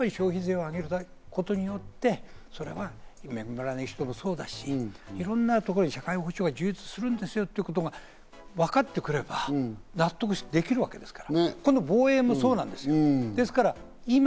しかし、消費税を上げることによって、例えば恵まれない人もそうだし、いろんなところに社会保障が充実するんですよってことがわかってくれば、納得できるわけですから。